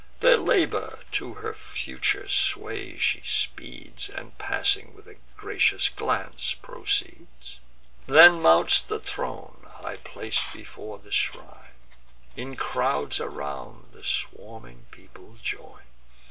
Their labour to her future sway she speeds, And passing with a gracious glance proceeds; Then mounts the throne, high plac'd before the shrine: In crowds around, the swarming people join.